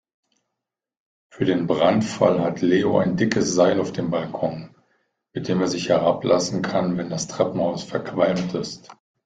Für den Brandfall hat Leo ein dickes Seil auf dem Balkon, mit dem er sich herablassen kann, wenn das Treppenhaus verqualmt ist.